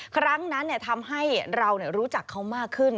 ครั้งนั้นทำให้เรารู้จักเขามากขึ้น